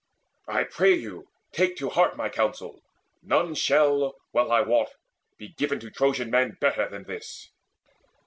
I pray you, take to heart my counsel! None Shall, well I wot, be given to Trojan men Better than this.